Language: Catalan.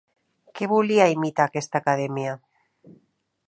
Què volia imitar aquesta Acadèmia?